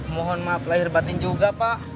mohon maaf lahir batin juga pak